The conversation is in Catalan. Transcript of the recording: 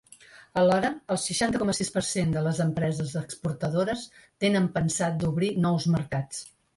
Alhora, el seixanta coma sis per cent de les empreses exportadores tenen pensat d’obrir nous mercats.